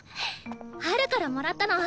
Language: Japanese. ハルからもらったの。